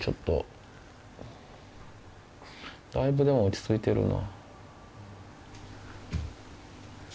だいぶでも落ち着いてるな。